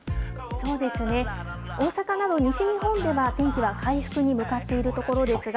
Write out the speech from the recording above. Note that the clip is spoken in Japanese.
そうですね、大阪など西日本では、天気は回復に向かっているところですが。